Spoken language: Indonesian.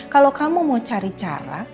kalau kamu mau cari cara